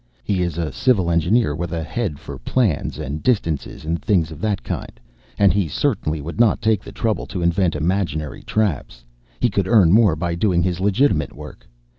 He is a Civil Engineer, with a head for plans and distances and things of that kind, and he certainly would not take the trouble to invent imaginary traps. He could earn more by doing his legitimate work.